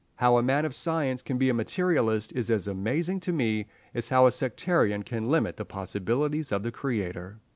How a man of science can be a materialist is as amazing to me as how a sectarian can limit the possibilities of the Creator.